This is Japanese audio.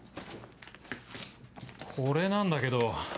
これなんだけど。